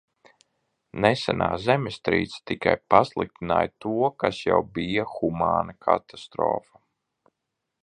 Nesenā zemestrīce tikai pasliktināja to, kas jau bija humāna katastrofa.